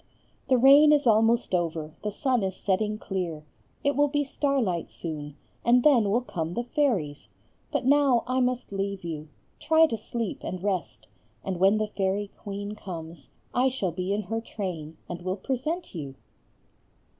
"The rain is almost over, the sun is setting clear. It will be starlight soon, and then will come the fairies. But now I must leave you; try to sleep and rest, and when the fairy queen comes, I shall be in her train, and will present you."